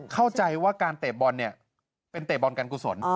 เข้าใจว่าการเตะบอลเนี่ยเป็นเตะบอลการกุศล